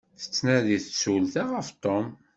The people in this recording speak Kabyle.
Tettnadi tsulta ɣef Tom.